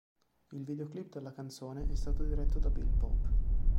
Il videoclip della canzone è stato diretto da Bill Pope.